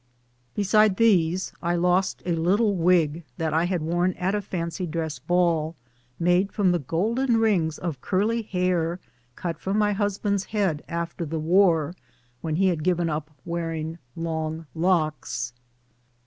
Be sides these I lost a little wig that I had worn at a fancy dress ball, made from the golden rings of curly hair cut from my husband's head after the war, when he had given up wearing long locks.